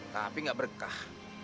tapi gak berkah